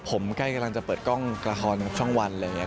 ผมใกล้กำลังจะเปิดกล้องละครช่องวันอะไรอย่างนี้